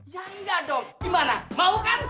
ya enggak dong gimana mau kan